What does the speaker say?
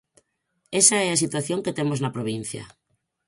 Esa é a situación que temos na provincia.